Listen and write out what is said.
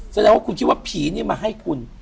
แสดงว่าคุณคิดว่าผีนี่มาให้คุณ